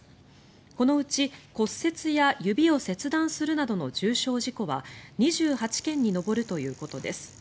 このうち骨折や指を切断するなどの重傷事故は２８件に上るということです。